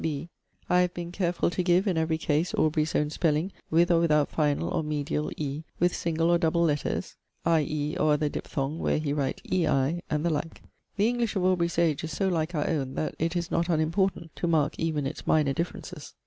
(b) I have been careful to give, in every case, Aubrey's own spelling, with or without final or medial 'e,' with single or double letters, 'ie' or other diphthong where we write 'ei,' and the like. The English of Aubrey's age is so like our own that it is not unimportant to mark even its minor differences.